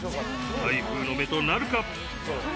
台風の目となるか。